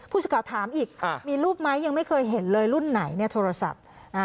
ผู้ชาวถามอีกมีรูปมั้ยยังไม่เคยเห็นเลยรุ่นไหนโทรศัพท์